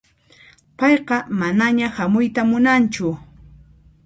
Payqa manaña hamuyta munanchu.